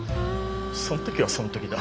そん時はそん時だ